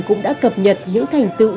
cũng đã cập nhật những thành tựu